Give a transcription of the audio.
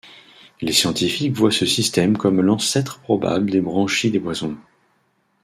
Les scientifiques voient ce système comme l'ancêtre probable des branchies des poissons.